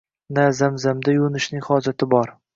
na zamzamda yuvinishning hojati bor.